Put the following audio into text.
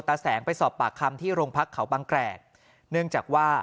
แสงไปสอบปากคำที่โรงพักเขาบางแกรกเนื่องจากว่า